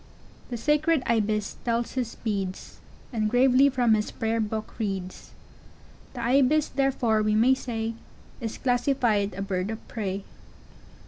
] The sacred Ibis tells his beads, And gravely from his prayer book reads; The Ibis therfore we may say, Is classified a bird of prey.